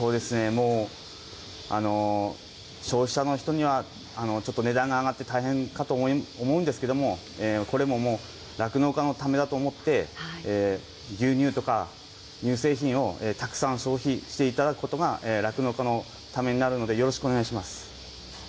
もう、消費者の人には、ちょっと値段が上がって大変かと思うんですけども、これももう、酪農家のためだと思って、牛乳とか、乳製品をたくさん消費していただくことが、酪農家のためになるので、よろしくお願いします。